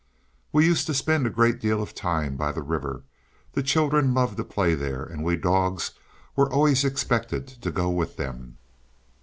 We used to spend a great deal of time by the river. The children loved to play there, and we dogs were always expected to go with them.